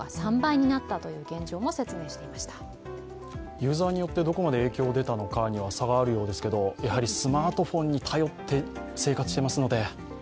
ユーザーによってどこまで影響を受けたのかには差があるようですが、やはりスマートフォンに頼って生活していますので。